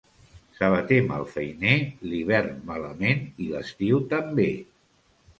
Sabater malfeiner, l'hivern malament i l'estiu també.